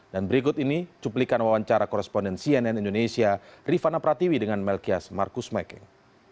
dan berikut ini cuplikan wawancara koresponden cnn indonesia rifana pratiwi dengan melkias markus mekeng